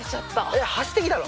えっ走ってきたの？